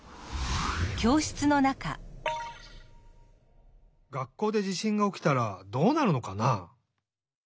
がっこうで地しんがおきたらどうなるのかな？